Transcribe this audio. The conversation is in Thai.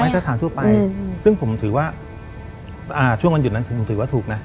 ถ้าถามทั่วไปซึ่งผมถือว่าช่วงวันหยุดนั้นผมถือว่าถูกนะ